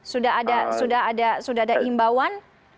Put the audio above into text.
sudah ada imbauan